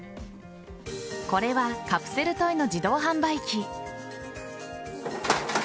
これはカプセルトイの自動販売機。